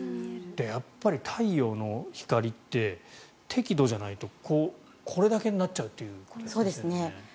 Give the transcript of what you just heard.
やっぱり太陽の光って適度じゃないとこれだけになっちゃうということですね。